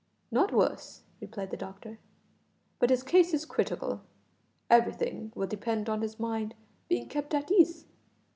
"Not worse," replied the doctor, "but his case is critical. Everything will depend on his mind being kept at ease.